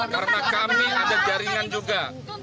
karena kami ada jaringan juga